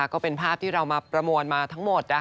ก็เป็นภาพที่เรามาประมวลมาทั้งหมด